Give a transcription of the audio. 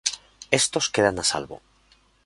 Estos quedan a salvo.